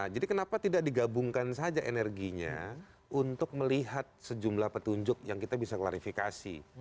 jadi kenapa tidak digabungkan saja energinya untuk melihat sejumlah petunjuk yang kita bisa klarifikasi